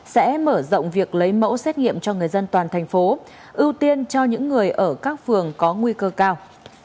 sẽ mở rộng việc lấy mẫu xét nghiệm cho người dân toàn thành phố ưu tiên cho những người ở các phường có nguy cơ cao